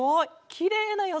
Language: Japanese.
きれいなよ